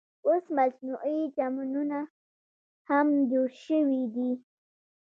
اوس مصنوعي چمنونه هم جوړ شوي دي.